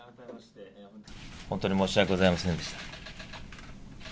本当に申し訳ございませんでした。